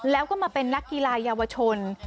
แล้วก็มาเป็นนักกีฬาเยาวชน